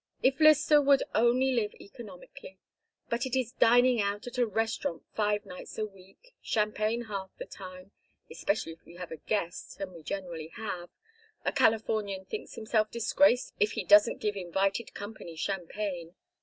If Lyster would only live economically but it is dining out at a restaurant five nights a week champagne half the time, especially if we have a guest, and we generally have a Californian thinks himself disgraced if he doesn't give invited company champagne.